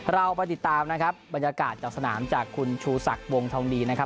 เราไปติดตามนะครับบรรยากาศจากสนามจากคุณชูศักดิ์วงทองดีนะครับ